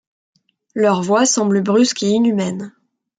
Leur voix semble brusque et inhumaine.